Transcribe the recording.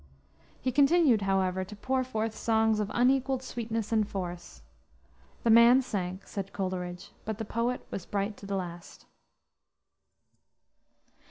He continued, however, to pour forth songs of unequaled sweetness and force. "The man sank," said Coleridge, "but the poet was bright to the last."